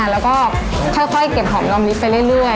แล้วก็ค่อยเก็บหอมรอมลิตรไปเรื่อย